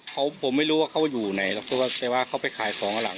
เขาผมไม่รู้ว่าเขาอยู่ไหนแล้วก็คือว่าเขาไปขายของอ่าหลัง